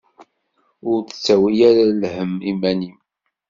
Ur d-ttawi ara lhemm i iman-im.